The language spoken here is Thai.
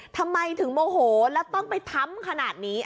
ทำไมถึงโมโหแล้วต้องไปทำขนาดนี้